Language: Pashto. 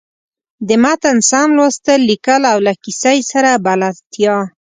د متن سم لوستل، ليکل او له کیسۍ سره بلدتیا.